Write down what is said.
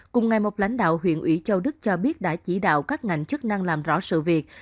cùng ngày một lãnh đạo huyện ủy châu đức cho biết đã chỉ đạo các ngành chức năng làm rõ sự việc